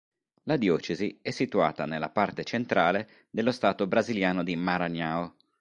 La diocesi è situata nella parte centrale dello Stato brasiliano di Maranhão.